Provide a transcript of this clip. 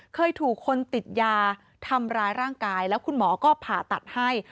เคยถูกคนติดยาทำร้ายร่างกายแล้วคุณหมอก็ผ่าตัดให้